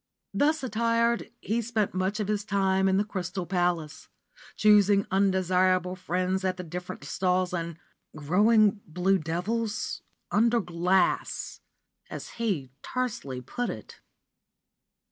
Thus attired he spent much of his time in the Crystal Palace, choosing undesirable friends at the different stalls and "growing blue devils under glass," as he tersely put it.